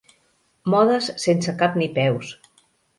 Modes sense cap ni peus.